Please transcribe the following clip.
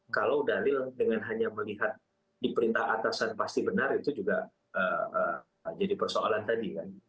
kalau dalil dengan hanya melihat di perintah atasan pasti benar itu juga jadi persoalan tadi kan